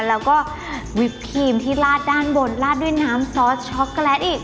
แล้วก็วิปครีมที่ลาดด้านบนลาดด้วยน้ำซอสช็อกโกแลตอีก